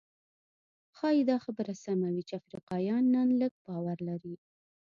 ښايي دا خبره سمه وي چې افریقایان نن لږ باور لري.